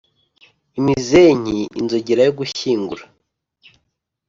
imezenki inzogera yo gushyingura.